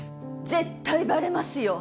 絶対バレますよ。